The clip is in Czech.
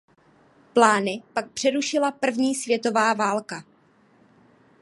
Plány pak přerušila první světová válka.